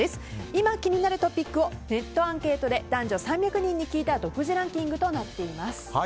今気になるトピックをネットアンケートで男女３００人に聞いた独自ランキングとなっています。